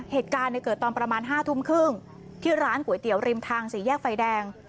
เหตุการณ์เกิดตอนประมาณ๕ทุ่มครึ่งที่ร้านก๋วยเตี๋ยวริมทางสี่แยกไฟแดง